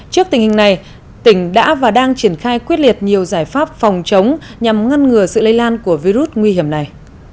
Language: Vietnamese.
trước tình hình này tỉnh đã và đang triển khai quyết liệt nhiều giải pháp phòng chống nhằm ngăn ngừa sự lây lan của virus nguy hiểm này